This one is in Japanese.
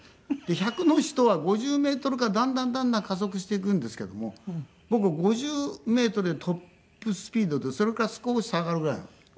１００の人は５０メートルからだんだんだんだん加速していくんですけども僕は５０メートルでトップスピードでそれから少し下がるぐらいなの。